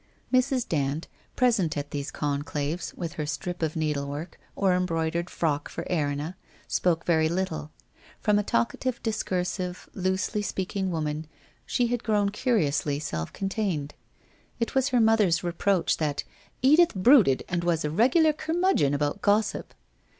Mrs. Dand, present at these conclaves, with her strip of needlework, or embroidered frock for Erinna, spoke very little. From a talkative, discursive, loosely speaking woman, she had grown curiously self contained. It was her mother's reproach that * Edith brooded and was a reg ular curmudgeon about gossip.'